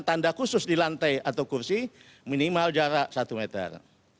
tanda khusus di lantai atau kursi minimal jarak satu meter